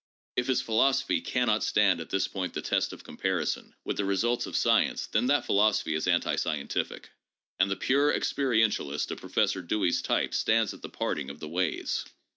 If his philosophy cannot stand at this point the test of comparison with the results of science, then that philosophy is anti scientific; and the pure experientialist of Professor Dewey's type stands at the parting of the ways.